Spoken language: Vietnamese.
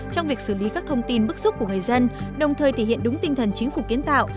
trong việc xử lý các thông tin bức xúc của người dân đồng thời thể hiện đúng tinh thần chính phủ kiến tạo